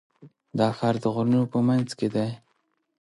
دا ښار د غرونو په منځ کې دی.